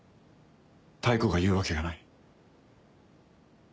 妙子が言うわけがない。